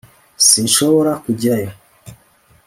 Sinshobora kujyayo